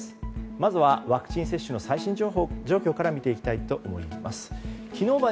まずはワクチン接種の最新状況から見ていきたいと思います。